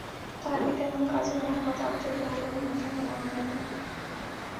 তার পিতার নাম কাজী মোহাম্মদ আব্দুর রউফ এবং মাতার নাম আমেনা বেগম।